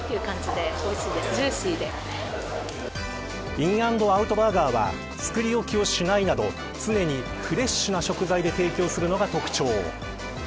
インアンドアウトバーガーは作り置きをしないなど常にフレッシュな食材で提供するのが特徴。